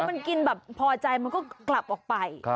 มันกินแบบพอใจมันก็กลับออกไป